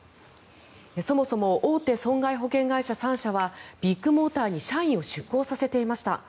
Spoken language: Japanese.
そもそも大手損害保険会社３社はビッグモーターに社員を出向させていました。